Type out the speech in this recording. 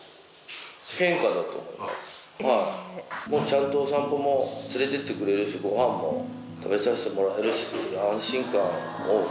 ちゃんとお散歩も連れてってくれるしご飯も食べさせてもらえるし。